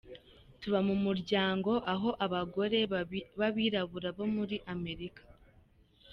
Tuba mu muryango aho abagore babirabura bo muri Amerika.